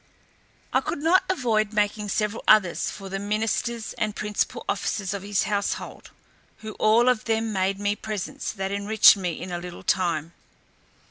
I could not avoid making several others for the ministers and principal officers of his household, who all of them made me presents that enriched me in a little time.